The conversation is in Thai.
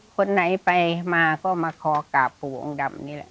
คนไหนไปมาก็มาขอกราบปู่องค์ดำนี่แหละ